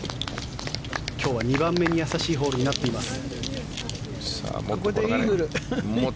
今日は２番目にやさしいホールになっています。